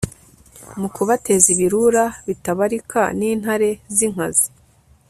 mu kubateza ibirura bitabarika n'intare z'inkazi